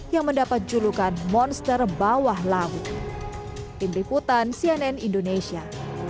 yang mendapat julukan monster bawah laut pimpin putan cnn indonesia